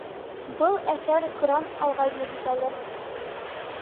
— Был әҫәр грант алғайны бит әле?..